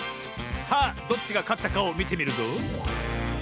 さあどっちがかったかをみてみるぞ。